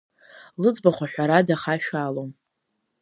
Лыӡбахә аҳәара дахашәалом.